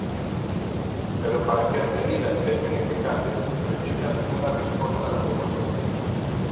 Pero para que as medidas sexan eficaces precisan dunha resposta da poboación.